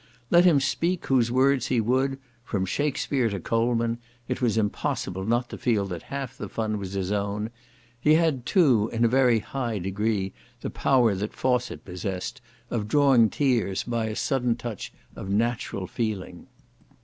Let him speak whose words he would, from Shakspeare to Colman, it was impossible not to feel that half the fun was his own; he had, too, in a very high degree, the power that Fawcett possessed, of drawing tears by a sudden touch of natural feeling.